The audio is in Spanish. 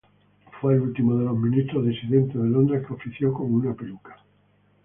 Fue el último de los ministros disidentes de Londres que ofició con una peluca.